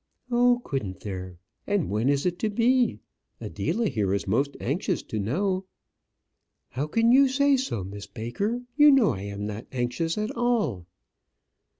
"Oh, couldn't there? and when is it to be? Adela here is most anxious to know." "How can you say so, Miss Baker? You know I am not anxious at all."